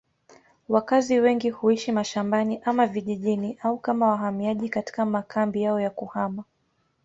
Wakazi wengi huishi mashambani ama vijijini au kama wahamiaji katika makambi yao ya kuhama.